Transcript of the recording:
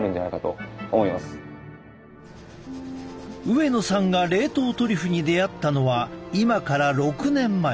上野さんが冷凍トリュフに出会ったのは今から６年前。